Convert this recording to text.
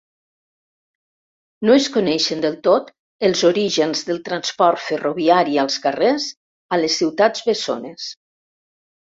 No es coneixen del tot els orígens del transport ferroviari als carrers a les Ciutats Bessones.